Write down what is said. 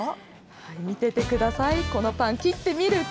見ててください、このパン、切ってみると。